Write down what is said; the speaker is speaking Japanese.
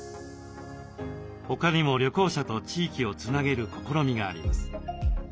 他にも旅行者と地域をつなげる試みがあります。